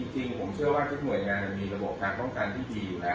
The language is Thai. จริงผมเชื่อว่าทุกหน่วยงานมีระบบการป้องกันที่ดีอยู่แล้ว